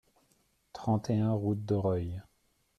trente et un route d'Aureil